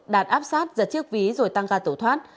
đạt áp sát giật chiếc ví rồi tăng ca tổ thoát